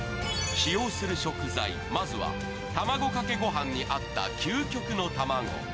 使用する食材、まずは卵かけご飯に合った究極のたまご。